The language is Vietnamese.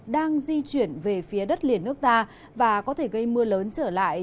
đang di chuyển về phía đất liền nước ta và có thể gây mưa lớn trở lại